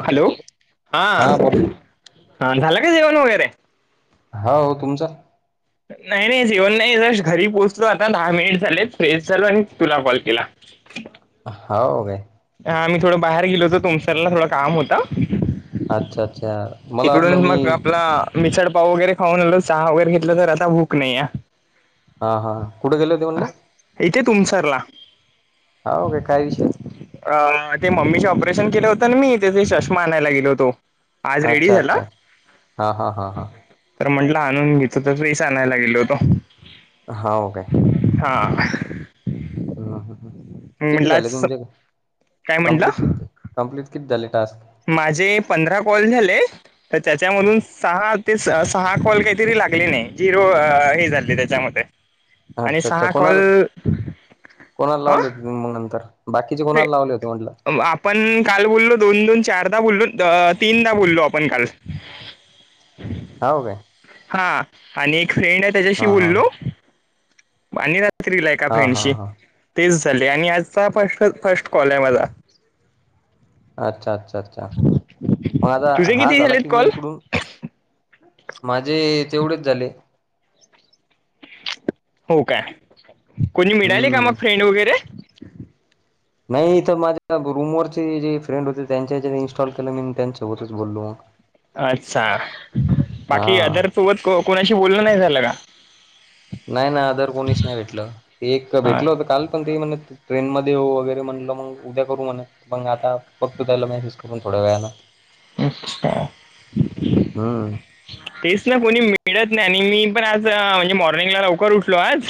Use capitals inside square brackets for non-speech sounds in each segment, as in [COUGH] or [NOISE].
Hello हा हा झालं का जेवण वगैरे? हो तुमचं? नाही नाही जेवण नाही घरी पोहोचलो आता दहा मिनिट झालेत फ्रेश झालो आणि तुला कॉल केला. हाव काय? हा आम्ही थोडं बाहेर गेलो होतो तुमसरला थोडं काम होत. अच्छा अच्छा मला वाटलं मी मिसळपाव वगैरे खाऊन आलो चहा वगैरे घेतलं खरं आता भूक नाहीय. हा हा कुठे गेले होते म्हणले? इथे तुमसरला? हाव का काय विषय? अ ते मम्मीचे ऑपरेशन केले होतं ना मी त्याचे चष्मा आणायला गेलो होतो. आज रेडी अच्छा झाला. अच्छा हा हा हा हा तर म्हटलं आणून घेतो तर [UNINTELLIGIBLE] आणायला गेलो होतो. हाव काय? हा हा हा हा किती म्हटलं झाले आज तुमचे काय कम्प्लीट म्हटलं किती कंप्लीत किती झाले टास्क? माझे पंधरा कॉल झाले. तर त्याच्यामधून सहा ते सहा कॉल काहीतरी लागले नाही झिरो हे झाले त्याच्यामध्ये. आणि अच्छा अच्छा सहा कॉल कोणाला कोणाला हं लावले होते मग नंतर बाकीचे कोणाला लावले होते म्हटलं? आपण काल बोललो दोन दोन चारदा बोललो तीनदा बोललो आपण काल. हाव काय. हा आणि एक फ्रेंड आहे हा त्याच्याशी हा बोललो. आणि रात्रीला एका हा हा फ्रेंडशी. हा तेच झाले आणि आजचा फष्ट फष्ट कॉल आहे माझा. अच्छा अच्छा अच्छा मग आता तुझे हा किती झाला झालेत की मी कॉल इकडून माझे तेवढेच झाले. हो काय कोणी मिळाली का मग हम्म फ्रेंड वगैरे? नाही इथ माझ्या रूमवरचे जे फ्रेंड होते त्यांच्या इन्स्टॉल केलं मी त्यांच्या अच्छा बाकी हा अदर [UNINTELLIGIBLE] कोणाशी बोलण नाही झालं का. नाही ना आदर कोणीच नाही भेटलं एक हा भेटल होत काल. पण ते म्हण ट्रेन मध्ये वगैरे म्हटलं मग उद्या करू म्हणे मग आता बकतो त्याला मेसेज. कर थोड्या वेळला हम्म [UNINTELLIGIBLE] तेच ना कोणी मिळत नाही आणि मी पण आज म्हणजे मॉर्निंगला लवकर उठलो आज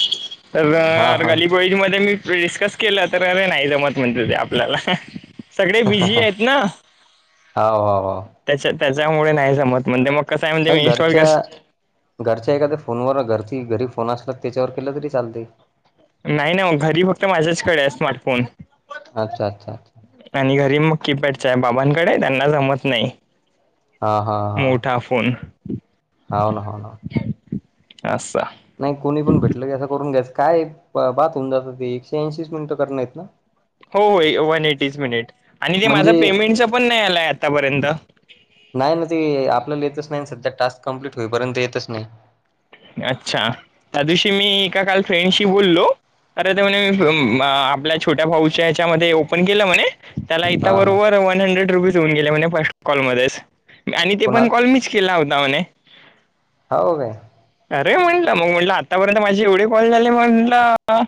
हा तरर हा गलिबोळीज मध्ये मी डिस्कस केलं तर अरे नाही जमत म्हणते ते आपल्याला सगळे बिझी आहेत ना हो हो त्याच्या त्याच्यामुळे नाही जमत म्हणजे मग कसं आहे म्हणजे ह मी इन्स्टॉल घरच्या कर घरच्या एखाद्या फोनवर घरची घरी फोन असला त्याच्यावर केलं तरी चालते नाही ना मग घरी फक्त माझ्याचकडे आहे स्मार्टफोन अच्छा अच्ा अच्ा आणि घरी मग कीपॅडच्या आहे बाबांकडे त्यांना जमत नाही हा हा हा मोठा फोन हाव ना हाव ना. असा नाही कोणी पण भेटलं की असं करून घ्यास काय बात होऊन जात ते एकशे ऐंशी मिनिटं करण आहेत ना हो होय वन एटीज मिनिट आणि ते माझं म्हणजे पेमेंटच पण नाही आलाय आतापर्यंत नाही ना ते आपल्याला येतच नाही सध्या टास्क कम्प्लीट होईपर्यंत येतच नाही अच्छा त्या दिवशी मी एका काल फ्रेंडशी बोललो अरे ते म्हणे मी आपल्या छोट्या भाऊच्या ह्याच्यामध्येध्ये ओपन केलं म्हणे त्याला इता हा हा बरोबर वन हंड्रेड रुपीज होऊन गेले म्हणजे फर्ट कॉलमध्येध्येच आणि ते कोणा पण कॉल मीच किला होता म्हणे हो का अरे म्हटलं मग म्हटलं आत्तापर्यंत माझी एवढी कॉल झाली म्हटलं ह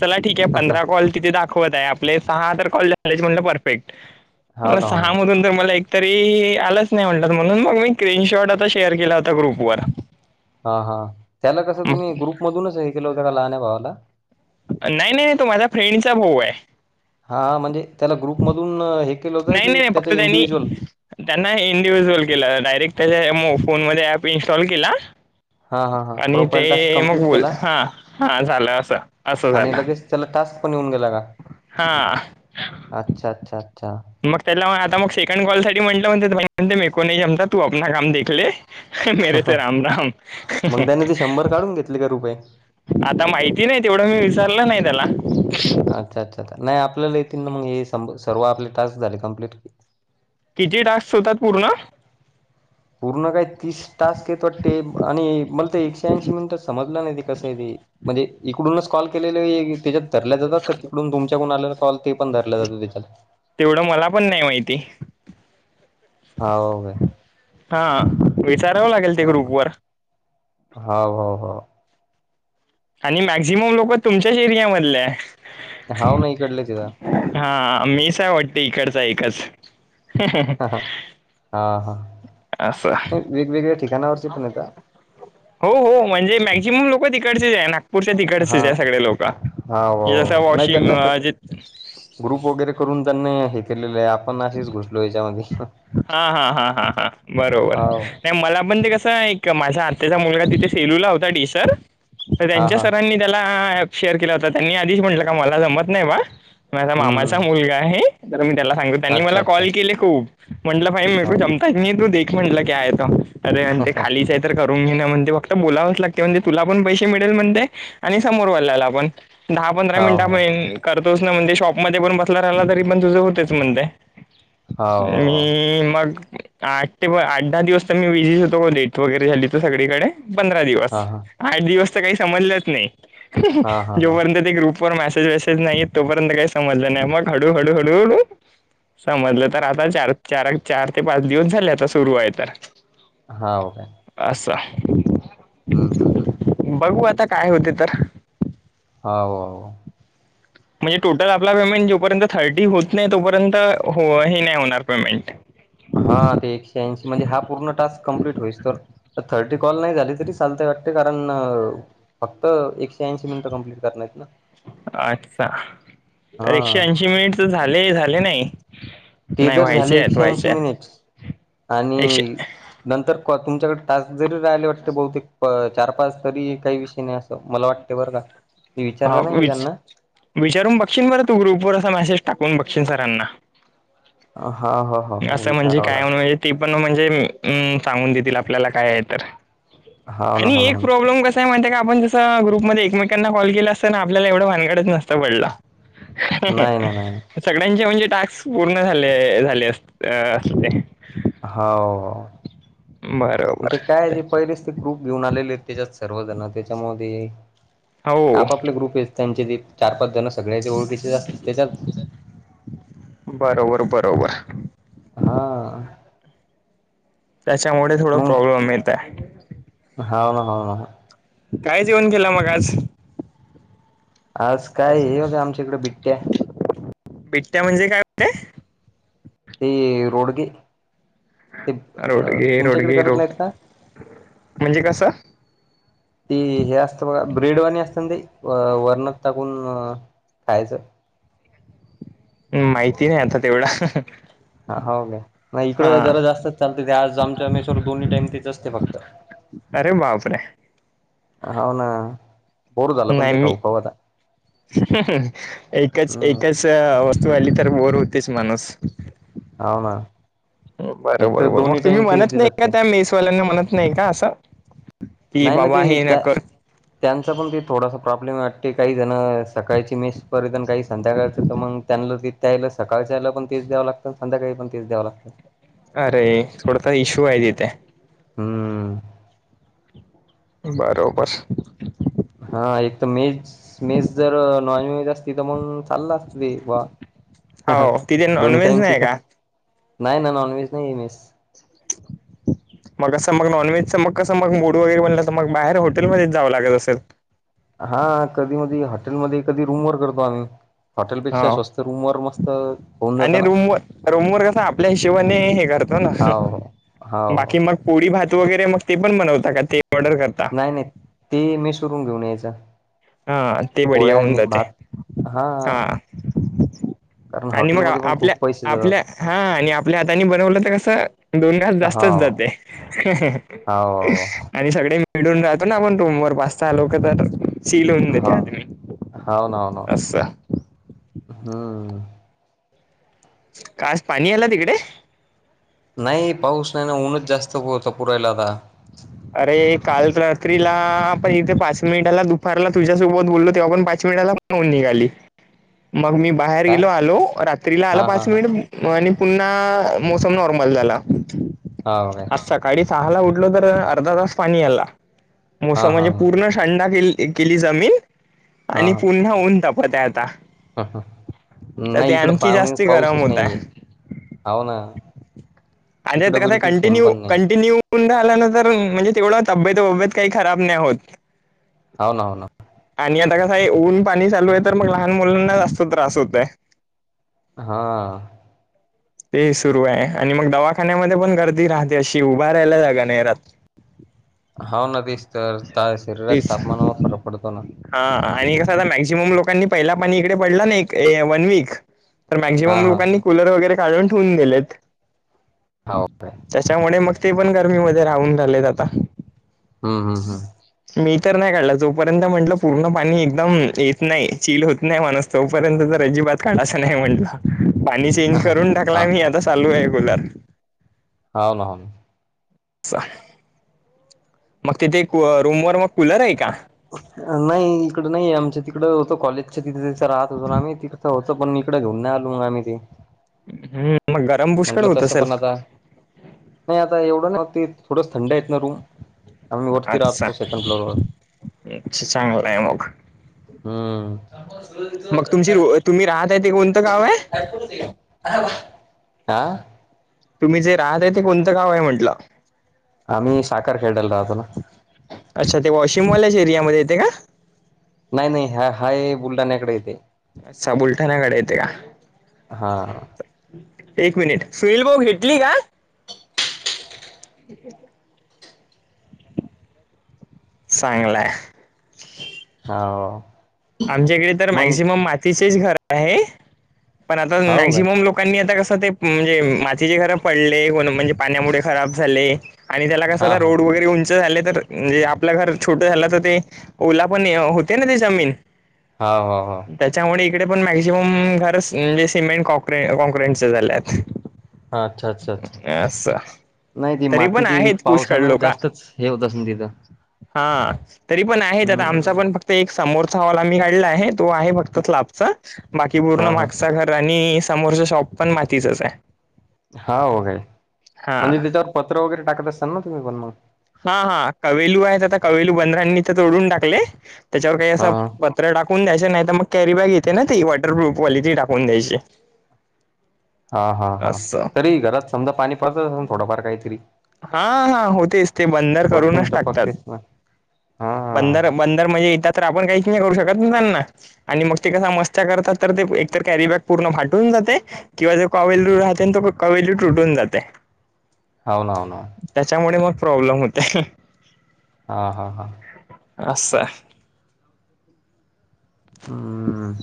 चला ठीक आहे पंधरा कॉल तिथे दाखव दावत आपले सहा तर कॉल झालेत म्हणजे परफेक्ट हो ना हो ना सहाधून तर मला एकतरी आलाच नाही म्हट म्हणून मग मी स्क्रीनशॉट आता शेअर केला होता ग्रुप व हा हा त्याला कसं तुम्ही ग्रुपमधूनच हे केलं होतं का लहान भावाला नाही नाही नाही तो माझ्या फ्रेंडचा भाऊ आहे हा म्हणजे त्याला ग्रुपमधून हे केलं होतं नाही नाही की नाही त्याचं फक्त त्यांनी इंडिव्हिज्युअल त्यांना इंडिव्हुज्युअल केलं डायरेक्ट त्याच्या फोन मध्ये अऍप इन्स्टॉल केला हा हा हां आणि ते प्रोफाईल टास्क मग कंप्लीट बोल केला हा हा झालं असं असं आणि झालं लगेच त्याला टास्क पण येऊन गेला का हा अच्छा अच्छा अच्छा मग त्याला आता मग सेकंड कॉल साठी म्हटलं म्हण म्ह म को नाही जमता तू आपना काम देखले मेरे ते राम राम मग त्याने ते शंभर काढून घेतले का रुपये आता माहिती नाही तेवढं मी विचारलं नाही त्याला अच्छा अच्छा नाही आपल्याला येतील मग सर्व आपले टास्क झाले कम्प्लीट किती टास्क होतात पूर्ण पूर्ण काय तीस टास्क येत वाटते आणि मला ते एकशे ऐंशी मिनिटं समजलं नाही ते कसं आहे ते म्हणजे इकडूनच कॉल केलेले त्याच्यात धरल्या जातात का तिकडून तुमच्या कोून आल्याला कॉल ते पण धरला जात त्याच्यात तेवढं मला पण नाही माहिती हा का हा विचारावं लागेल ते ग्रुप वर होा हो हो आणि मॅक्झिमम लोकं तुमच्याच एरियामधले आहे. हाव ना, इकडलेच आहे हा मीच आहे वाटते इकडचा एकच. हा हा, असं वेगवेगळ्या ठिकाणावरचे पण येता. हो हो म्हणजे मॅक्झिमम लोक तिकडच हाय ना पुढच्या तिकट हाव सगळे लोक हाव म्हे जस नाही त्यांना वॉशिंगे ग्रुप वगैरे करून त्यांनी हे केलेलं आहे आपण असेच घुसलो याच्यामध्ये हा हा हा हा हा बरोबर हाव नाही मला पण ते कसं आहे माझ्या आत्याचा मुलगा तिथे फेलूला होता डीसर तर हा त्यांच्या हा सरांनी त्याला शेअर केला होता त्यांनी, आधीच म्हटलं का मला जमत नाही बा, माझा हम्म मामाचा हम्म मुलगा आहे. तर मी त्याला सांगतो, त्यांनी अच्छा मला अच्छा कॉल केले खूप म्हटलं भाई हाव [UNINTELLIGIBLE] [UNINTELLIGIBLE] अरे अन् ते हाव खालीच आहेत तर करून घे ना म्हणते, फक्त बोलावंच लागते म्हणते तुला पण पैसे मिळेल म्हणते, आणि समोर वाल्याला आपण दहा पंधरा हाव मिनिटा पण करतोच ना, म्हणजे शॉपमध्ये पण बसला राहिला तरी पण तुझं होतेच म्हणते. हाव हाव मी मग आठ ते आठ दहा दिवस तर मी बिजीच होतो, ग डेट वगैरे झाली त सगळीकडे पंधरा दिवस. हा हा आठ दिवस तर काही समजलंच नाही, हा हा हा जोपर्यंत ते ग्रुप मेसेज वेसेज नाही तोपर्यंत काही समजलं नाही, मग हळू हळू हळू समजलं. तर आता चार चार चार ते पाच दिवस झाले आता सुरु आहे तर. हाव काय? असंय. हम हम हम बघू आता काय होते तर. हो हो म्हणजे टोटल आपला पेमेंट जोपर्यंत थर्टी होत नाही तोपर्यंत, हो हे नाही होणार पेमेंट. हा ते एकशे ऐंशी म्हणजे हा पूर्ण टाक कम्प्लीट होईस तर. थर्टी कॉल नाही झाली तरी चालतय वाटते कारण, फक्त एक अच्छा, तर एकशे हा ऐंशी मिनिट झाले झाले नाही. ते नाही जर झाले व्हायचे आहेत एकशे व्हायचे ऐंशी आहेत मिनिट, आणि एकशे नंतर तुमच्याकडे टास्क जरी राहिले वाटते बहुतेक, चार पाच तरी काही विषय नाही असं मला वाटते बरं का, मी हा विचारलं नाही मी विच त्यांना. विचारून बघशीन बरं तू ग्रुप वर, असा मेसेज टाकून बघशीन सरांना. हा हा. असं म्हणजे काय म्हण ते पण म्हणजे सांगून देतील आपल्याला काय आहे तर, हाव ना आणि हो ना एक हो ना प्रॉब्लेम कस म्हणत की आपण जसं, ग्रुपमध्ये एकमेकांना कॉल केला असता ना आपल्याला एवढं भानगडच नसतं पडलं. नाही ना नाही ना सगळ्यांचे म्हणजे टास्क पूर्ण झाले झाले अस अ [UNINTELLIGIBLE] हो, बरोबर ते काय ती पहिलीच ग्रुप घेऊन आलेले आहेत त्याच्यात सर्व जण, त्याच्यामुळं ते, हो आपापले ग्रुप त्यांचे ते चार पाच जण सगळ्याचे ओळखीचे असतात. त्याच्यात बरोबर बरोबर हा त्याच्यामुळे थोडं प्रॉब्लेम येत आहे. हो ना हो ना. काय जेवण केेलं मग आज? आज काय हे होतं आमच्याकडे बिट्ट्या. बिटट्या म्हणजे काय [UNINTELLIGIBLE] ते रोडगे. ते अ, रोडगे तुमच्याकडे रोडगे करत रो नाहीत का? म्हणजे कसं ती हे असतं बघा, ब्रेडवाणी असत ना ते वरणात टाकून खायाच. माहिती नाही आता तेवढा. हा हो का नाही हा इकडं जरा जास्तच चालते ते आज आमच्यामेश्वर दोन्ही टाईम तेच असते फक्त. अरे बापरे. हो ना. बोर झालं पण नाही ते मी खाऊ खाऊ आता हं हं एकच हम्म एकच च वस्तू आली तर बोर होतेच माणूस. हाव ना एक बरोबर तर बर मग दोन्ही तुम्ही टाइम तेच म्हणत नाही देतात का ते त्या मेसवाल्यांना म्हणत नाही का असं. की नाही ना ते बाबा हे न त्या कर त्यांचा पण ते थोडासा प्रॉब्लेम वाटते काही जण सकाळची मेस पर्यंत आणि काही संध्याकाळचं तर मग त्यांना ते. त्याला सकाळच्याला पण तेच द्याव लातं संध्याकाळी पण तेच द्याव लागतं. अरे सोडता इश्यू हाय ती ते. हम्. बरोबर. हा इथ मेज मेज जर नॉन वज असती तर मग आला देवा हा हा हो तिथे दोन नॉनव्हेज टाईम नाही चिका. का नाही ना नॉन व्हेज नाही मस. [INAUDIBLE] मग असं मग नॉनव्हेजचं मग कस मग मूड वगैरे बनलं तर मग बाहेर हॉटेलमध्येच जावं लागत असेल. हा कधी मध हॉटेलमध्ये कधी रूम वर करतो आम्ही हॉटेलपेक्षा हो स्वस्त रूम वर मस्त होऊन जात आणि ना. रूमवर रूमवर कसं आपल्या हिशोबाने हे करतो ना हो हो. बाकी मग पोळी भात वगैरे मग ते पण बनवतात का ते ऑर्डर करत. नाही नाही ते मेस शोरूम घेऊन यायच. हा ते बढिया होऊन जाते हा. कारण आणि मग हॉटेलमध्ये पण आपल्या खूप पैसे आपल्या जातात हा आणि आपल्या हाताने बनवलं तर कसं दोन घास जास्तच हाव जाते ह ह हा अ हाव आणि सगळे मिळून - मिडून राहतो ना आपण रूम वर पाच साहा लोक तर. सील होऊन देते हा आदमी हा ना ना असं हम्म. का आज पाणी आले तिकडे. नाही पाऊस नाही ना ऊनच जास्त होता पुरायला आता. अरे काल रात्रीला आपण इथे पाच मिनिटाला दुपारला तुझ्यासोबत बोललो तेव्हा पण पाच वेळेला नोन निघाली मग मी बाहेर काय गेलो आलो रात्रीला आल हा हा पाच हा मिनिट. आणि पुन्हा मोसम नॉर्मल झाला. हा हो काय. आज सकाळी सहा ला उठलो तर अर्धा तास पाणी आला हा मोसम हा म्हणजे हा पूर्ण थंडा के केली जमीन आणि पुन्हा ऊन तपत आहे आता. ह ह तर ते नाही इकड आणखी पाहणे जास्ती गरम पाऊसच होत आहे. नाहीये हव ना. आणि इकडं कस बिलकुल थेंब कंटिन्यू पण नाही कंटिन्यू. कों आल्यानंतर म्हणजे तिकडं तब्येत तब्येत काही खराब नाही होत. हवं ना होना. आणि आता कसं आहे ऊन पाणी चालू आहे तर मग लहान मुलांना जास्त त्रास होतय. हा. ते सुरू आहे आणि मग दवाखान्यामध्ये पण गर्दी राहते अशी उभा राहायला जागा नाही राहत. [INAUDIBLE] हाव ना तेच तर शरीराच्या तेच तापमानावर फरक पडतो ना. हा आणि कसं आता मॅक्झिमम लोकांनी पहिला पाणी इकडे पडला ना एक वन वीक. तर हा मॅक्झिमम हा लोकांनी कुलर वगैरे काढून ठेवून दिलेत. हा के त्याच्यामुळे मग ते पण गर्मीमध्ये राहून रालेत आता. हम्म हम हम्. मी तर नाही काढला जोपर्यंत म्हंटलं पूर्ण पाणी एकदम येत नाही चील होत नाही माणूस. तोपर्यंत तर अजिबात काढायचं नाही म्हटलं पाणी हा चेंज करून. हा टाकला मी आता चालू आहे कुलर. हाव ना. सहा [UNINTELLIGIBLE] मग तिथे क रूम वर मग कुलर आहे का? नाही इकड नाही आमच्या तिकड होतं कॉलेजच्या तिथे तीथ राहत होतो ना आम्ही तिथं होतं पण इकडे घेऊन नाही आलू मग आम्ही ते. हम्म मग गरम पुष्कळ म्हंटलं होत तसं असेल? पण आता नाही आता एवढं नाही होते थोडंच थंड आहेत ना रूम आम्ही वरती राहतो सेकंड फ्लोरवर. अच्छा चांगलंय मग. हम्म. मग तुमची तुम्ही राहत आहे ते कोणतं गाव आहे? [UNINTELLIGIBLE] आं तुम्ही जे राहतय ते कोणतं गाव आहे म्हंटलं? आम्ही साखर खेड्याला राहतो ना. अच्छा ते वॉशिंग वलच्या एरियामध्ये येते का? नाही नाही हा हाय बुलढाण्याकडे येते. अच्छा बुलढाण्या कडे येते का. हा एक मिनिट. सुनील भाऊ घेटली का? [UNINTELLIGIBLE] चांगलाय. हाव हो आमच्या इकडे तर मॅक्झिमम मातीचेच घर आहे पण आता हाव काय मॅक्झिमम लोक लोकांनी आता कसं ते म्हणजे मातीचे घर पडले को म्हणजे पाण्यामुळे खराब झाले. आणि त्याला कस हा आता हा रोड वगरेऊन उंच झाले तर म्हणजे आपलं घर छोटं झालं तर ते ओला पण होते ना ते जमीन. हाव हो हो त्याच्यामुळे इकडे पण मॅक्झिमम घर म्हणजे सिमेंट कॉँक्रेंटच झालेत. हा अच्छा अच्छा अच्छा. असा. नाही ती मातीची पावसानं जास्तच हे होत अस न तिथं. हा तरी पण आहे आता आमचा हम्म. पण फक्त एक समोरचा हॉल आम्ही काढला आहे तो आहे फक्त. स्लॅपच बाकी पूर्ण हा हा मागचा घर आणि समोरच्या शॉप पण मातीचच आहे. हा हो काय हा म्हणजे त्याच्यावर पत्रा वगैरे टाकत असाल ना तुम्ही पण मग. हा हा कवेलू आहेत आता कवेलू बंदरांनी ते तोडून टाकले त्याच्यावर काही हा असं प तर टाकून द्यायचे नाही तर मग कॅरी बॅग येते ना ती वॉटरप्रोफ वाली ती टाकून द्यायची. हा हा हा असं तरी घरात समजा पाणी पडतच अस थोडंफार काहीतरी. हा हा होतेच ते बंदर वरतून करूनच टाकतात टपकतेच ना हा बंदर. पंदर म्हणजे येतात तर आपण काही क नाही करू शकत नाही त्यांना.. आणि मग ते कसा मस्त्या करतात तर ते एकतर कॅरी बॅग पूर्ण फाटून जाते. किंवा जो कवेलू राहते तो कवेलू तुटून जाते. होनवन. त्याच्यामुळे मग प्रॉब्लेम होते. हा हा हा. असछा. हम्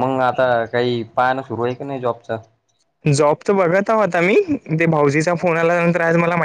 मग आता काही पाहाणं सुरू आहे का नाही जॉबच? जॉब तर बघत आहो आता मी ते भाऊजीचा फोन आल्या नंतर आज मला माहिती